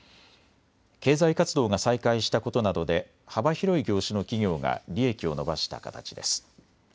経済活動が再開したことなどで幅広い業種の企業が利益を伸ばした形です。